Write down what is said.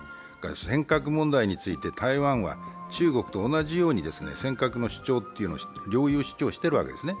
尖閣問題について台湾は中国と同じように尖閣の領有を主張してるわけですね。